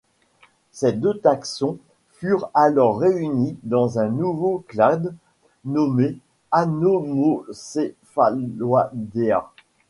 Ces deux taxons furent alors réunis dans un nouveau clade nommé Anomocephaloidea.